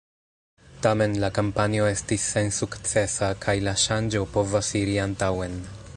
Tamen la kampanjo estis sensukcesa kaj la ŝanĝo povas iri antaŭen.